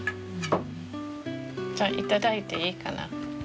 じゃあ頂いていいかな？